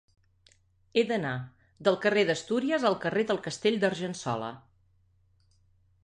He d'anar del carrer d'Astúries al carrer del Castell d'Argençola.